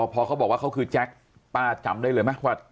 พอเขาบอกว่าเขาคือแจ็คป้าจำได้เลยไหมว่า